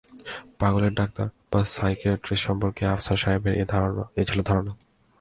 পাগলের ডাক্তার বা সাইকিয়াটিস্ট সম্পর্কে আফসার সাহেবের এই ছিল ধারণা।